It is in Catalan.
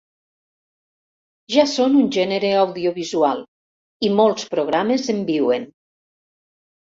Ja són un gènere audiovisual i molts programes en viuen.